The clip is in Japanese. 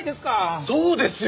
そうですよ！